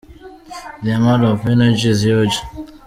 The amount of energy is huge.